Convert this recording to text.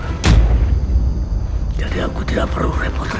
jangan sampai dia tercampur